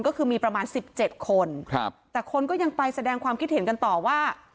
ก็คือมีประมาณสิบเจ็ดคนครับแต่คนก็ยังไปแสดงความคิดเห็นกันต่อว่า